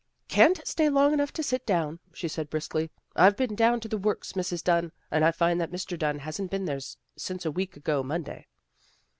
" Can't stay long enough to sit down," she said briskly. " I've been down to the works, Mrs. Dunn, and I find that Mr. Dunn hasn't been there since a week ago Monday."